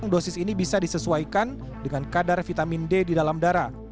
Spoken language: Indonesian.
dosis ini bisa disesuaikan dengan kadar vitamin d di dalam darah